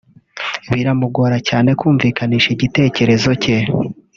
Biramugora cyane kumvikanisha igitekerezo cye